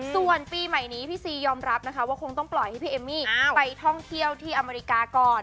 ส่วนปีใหม่นี้พี่ซียอมรับนะคะว่าคงต้องปล่อยให้พี่เอมมี่ไปท่องเที่ยวที่อเมริกาก่อน